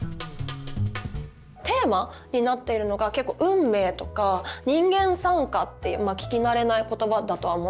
テーマになっているのが結構「運命」とか「人間讃歌」っていうまあ聞き慣れない言葉だとは思うんですけど。